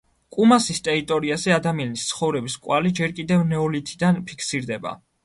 კუმასის ტერიტორიაზე ადამიანის ცხოვრების კვალი ჯერ კიდევ ნეოლითიდან ფიქსირდება.